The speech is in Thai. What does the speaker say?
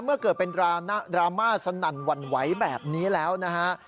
เมื่อเกิดเป็นดราม่าสนั่นหวั่นไหวแบบนี้แล้วนะฮะ